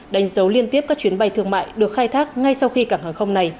đánh dấu liên tiếp các chuyến bay thương mại được khai thác ngay sau khi cảng hàng không này